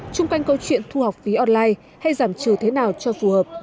trung quanh câu chuyện thu học phí online hay giảm trừ thế nào cho phù hợp